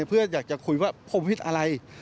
เพื่ออยากจะคุยว่าสำเร็จว่าผมพิธีอะไร